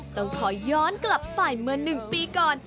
ต้องขอย้อนกลับไปเมื่อ๑ปีก่อน